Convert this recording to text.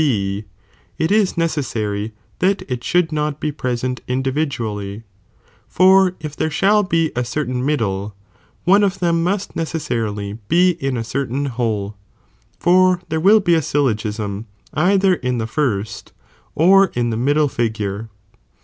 B, it is ncccssary that it should not be present demonstrable, individually, § for if there shall be a certain mid dle, one of them must necessarily be in a certain whole, for there will be a syllogism either in the first, or in the middle figure.